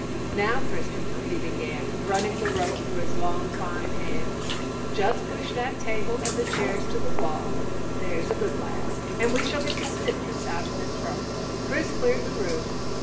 "Now Christopher," he began, running the rope through his long, fine hands, "just push that table and the chairs to the wall, there's a good lad, and we shall get the stiffness out of this rope." Chris cleared the room.